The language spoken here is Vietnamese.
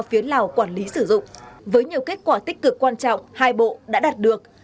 phía lào quản lý sử dụng với nhiều kết quả tích cực quan trọng hai bộ đã đạt được